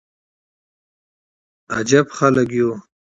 جالب خلک يو: